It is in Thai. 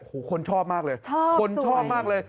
โอ้โหคนชอบมากเลยคนชอบมากเลย